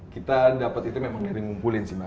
kita dapat itu memang dari ngumpulin sih mbak